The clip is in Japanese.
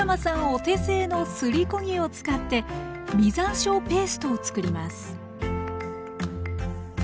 お手製のすりこ木を使って実山椒ペーストを作ります